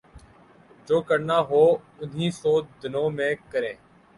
جو کرنا ہو انہی سو دنوں میں کریں۔